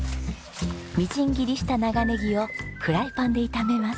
みじん切りした長ネギをフライパンで炒めます。